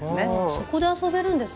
そこで遊べるんですね。